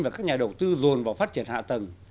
và các nhà đầu tư dồn vào phát triển hạ tầng